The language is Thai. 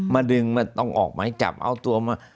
มาดึงต้องออกไหมจับเอาตัวมา